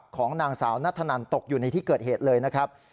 ของนางสาวนัทธนันตกอยู่ในที่เกิดเหตุเลยนะครับ